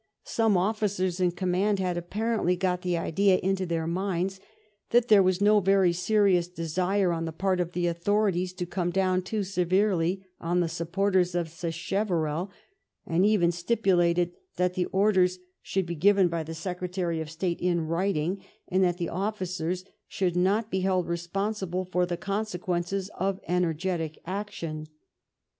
Some officers in command had, apparently, got the idea into their minds that there was no very serious desire on the part of the authorities to come down too severely on the supporters of Sacheverell, and even stipulated that the orders should be given by the Secretary of State in \iTiting, and that the officers should not be held responsible for the consequences of energetic action.